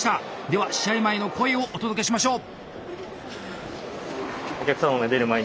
では試合前の声をお届けしましょう。